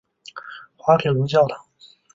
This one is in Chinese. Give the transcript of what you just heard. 滑铁卢教堂。